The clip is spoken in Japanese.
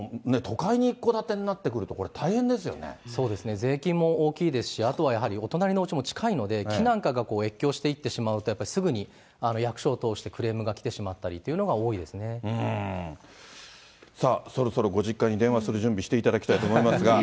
税金も大きいですし、あとはやはり、お隣のうちも近いので、木なんかが越境していってしまうと、やっぱりすぐに役所を通してクレームが来てしまったりというのがさあ、そろそろご実家に電話する準備していただきたいと思いますが。